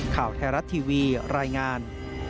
ข่าวไทยรัฐทีวีรายงาน